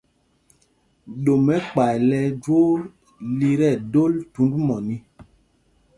Ɗom ɛkpay lɛ ɛjwoo lí tí ɛdol thund mɔní.